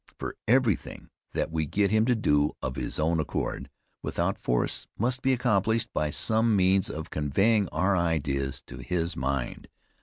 For every thing that we get him to do of his own accord, without force, must be accomplished by some means of conveying our ideas to his mind.